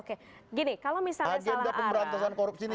agenda pemberantasan korupsi ini